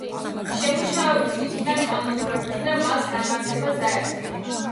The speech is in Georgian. შემუშავებულ იქნა კანონპროექტი და მას განმარტებაც დაერთო.